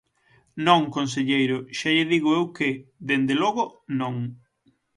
Non conselleiro, xa lle digo eu que, dende logo, non.